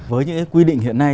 với những cái quy định hiện nay